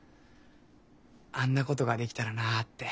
あんなことができたらなって。